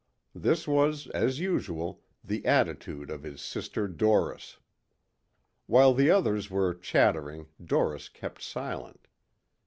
This was, as usual, the attitude of his sister Doris. While the others were chattering Doris kept silent.